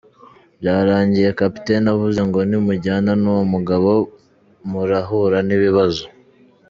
Byarangiye Captain avuze ngo ‘nimujyana n’uwo mugabo murahura n’ibibazo.